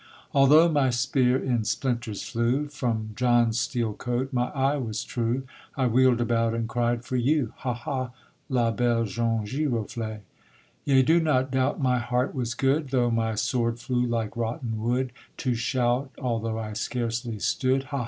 _ Although my spear in splinters flew, From John's steel coat, my eye was true; I wheel'd about, and cried for you, Hah! hah! la belle jaune giroflée. Yea, do not doubt my heart was good, Though my sword flew like rotten wood, To shout, although I scarcely stood, _Hah!